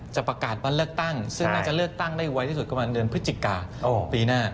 จะประกาศวันเลือกตั้งซึ่งน่าจะเลือกตั้งได้ไวที่สุดประมาณเดือนพฤศจิกาปีหน้า